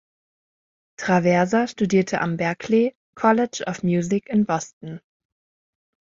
Traversa studierte am Berklee College of Music in Boston.